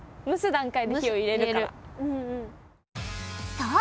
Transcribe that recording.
そう！